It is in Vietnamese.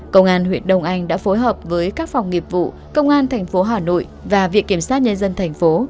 công an huyện đông anh đã phối hợp với các phòng nghiệp vụ công an thành phố hà nội và viện kiểm sát nhân dân thành phố